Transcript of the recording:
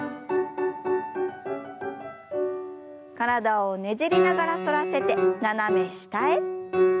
体をねじりながら反らせて斜め下へ。